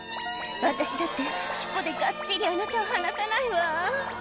「私だって尻尾でがっちりあなたを離さないわ」